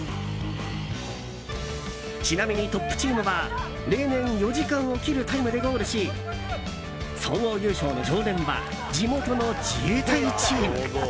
ちなみにトップチームは、例年４時間を切るタイムでゴールし総合優勝の常連は地元の自衛隊チーム。